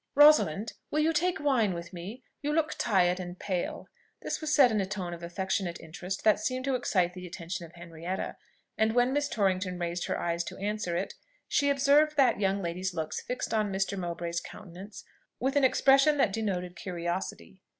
"Rosalind, will you take wine with me? You look tired and pale." This was said in a tone of affectionate interest that seemed to excite the attention of Henrietta; and when Miss Torrington raised her eyes to answer it, she observed that young lady's looks fixed on Mr. Mowbray's countenance with an expression that denoted curiosity.